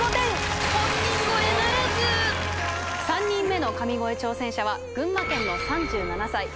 ３人目の神声挑戦者は群馬県の３７歳。